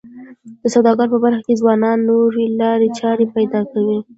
د سوداګرۍ په برخه کي ځوانان نوې لارې چارې پیدا کوي.